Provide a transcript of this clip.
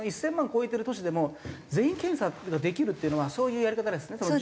１０００万超えてる都市でも全員検査ができるっていうのはそういうやり方ですね。